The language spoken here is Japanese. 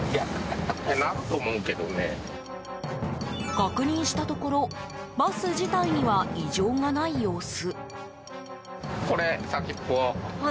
確認したところバス自体には異常がない様子。